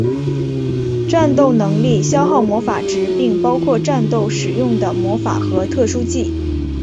战斗能力消耗魔法值并包括战斗使用的魔法和特殊技。